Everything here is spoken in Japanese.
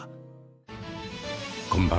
こんばんは。